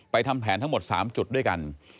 ทำแผนทั้งหมด๓จุดด้วยกัน